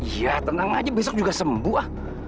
iya tenang aja besok juga sembuh